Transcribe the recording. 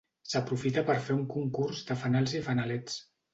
S'aprofita per fer un concurs de fanals i fanalets.